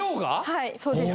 はいそうです